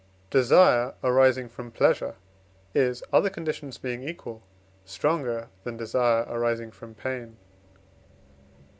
Desire arising from pleasure is, other conditions being equal, stronger than desire arising from pain.